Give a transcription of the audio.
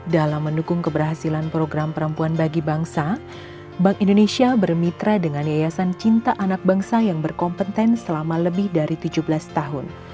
dalam mendukung keberhasilan program perempuan bagi bangsa bank indonesia bermitra dengan yayasan cinta anak bangsa yang berkompeten selama lebih dari tujuh belas tahun